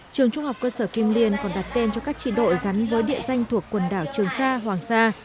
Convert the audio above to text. trường trung học cơ sở kim liên còn đặt tên cho các trị đội gắn với địa danh thuộc quần đảo trường xa hoàng xa